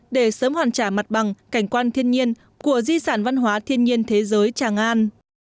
để sớm hoàn trả mặt bằng cảnh quan thiên nhiên của di sản văn hóa thiên nhiên thế giới tràng an